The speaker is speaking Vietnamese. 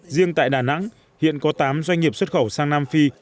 riêng tại đà nẵng hiện có tám doanh nghiệp xuất khẩu sang nam phi